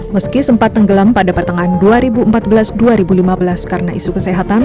meski sempat tenggelam pada pertengahan dua ribu empat belas dua ribu lima belas karena isu kesehatan